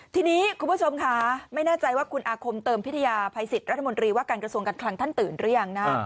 ทีนี้คุณผู้ชมค่ะไม่แน่ใจว่าคุณอาคมเติมพิทยาภัยสิทธิ์รัฐมนตรีว่าการกระทรวงการคลังท่านตื่นหรือยังนะ